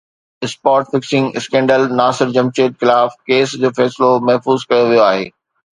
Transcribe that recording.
spot fixing scandal Nasir Jamshed خلاف case جو فيصلو محفوظ ڪيو ويو آهي